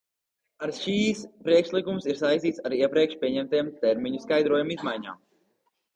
Arī šis priekšlikums ir saistīts ar iepriekš pieņemtajām terminu skaidrojumu izmaiņām.